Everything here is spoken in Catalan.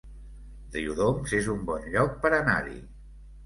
Riudoms es un bon lloc per anar-hi